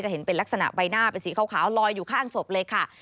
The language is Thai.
เห็นเป็นลักษณะใบหน้าเป็นสีขาวลอยอยู่ข้างศพเลยค่ะ